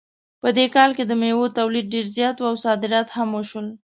په دې کال کې د میوو تولید ډېر زیات و او صادرات هم وشول